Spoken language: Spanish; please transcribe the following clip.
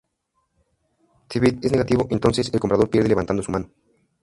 Si vb es negativo, entonces el comprador pierde levantando su mano.